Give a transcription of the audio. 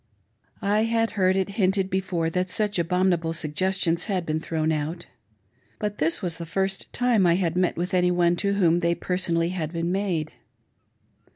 I had heard it hinted before that such abominable suggestions had been thrown out, but this was the first time that I had met with any one to whom they had per sonally been made.